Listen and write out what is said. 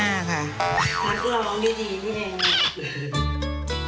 แล้วคือเราร้องดีที่ในนี้